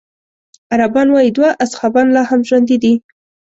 عربان وايي دوه اصحابان لا هم ژوندي دي.